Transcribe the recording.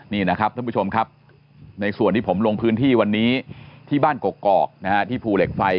นี่นะครับท่านผู้ชมครับในส่วนที่ผมลงพื้นที่วันนี้ที่บ้านกกอกที่ภูเหล็กไฟ